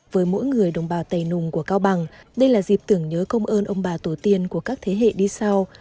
với mỗi người đồng bào tây nùng của cao bằng đây là dịp tưởng nhớ công ơn ông bà tổ tiên của các thế hệ đi sau